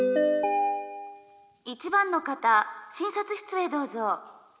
１番の方診察室へどうぞ。